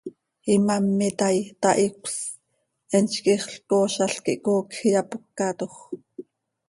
Imám itaai, tahicös, eentz quiixlc coozalc quih coocj iyapócatoj.